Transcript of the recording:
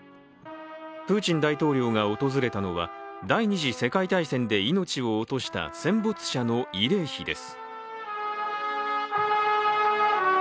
プーチン大統領が訪れたのは、第二次世界大戦で命を落とした戦没者の慰霊碑です。